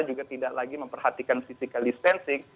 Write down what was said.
juga tidak lagi memperhatikan physical distancing